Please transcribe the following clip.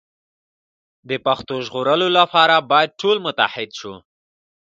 د پښتو د ژغورلو لپاره باید ټول متحد شو.